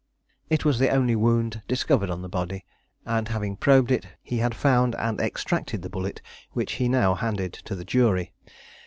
It was the only wound discovered on the body, and having probed it, he had found and extracted the bullet which he now handed to the jury.